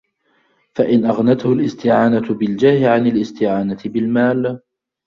فَإِنْ أَغْنَتْهُ الِاسْتِعَانَةُ بِالْجَاهِ عَنْ الِاسْتِعَانَةِ بِالْمَالِ